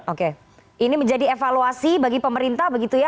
oke ini menjadi evaluasi bagi pemerintah begitu ya